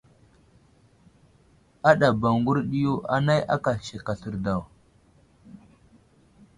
Aɗaba ŋgurəɗ yo anay aka sek aslər daw.